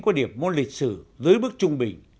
có điểm môn lịch sử dưới bức trung bình